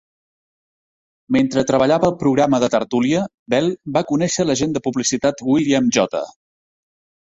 Mentre treballava al programa de tertúlia, Bell va conèixer l'agent de publicitat William J.